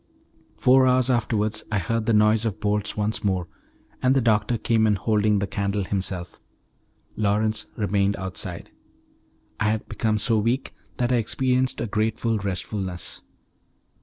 Four hours afterwards I heard the noise of bolts once more, and the doctor came in holding the candle himself. Lawrence remained outside. I had become so weak that I experienced a grateful restfulness.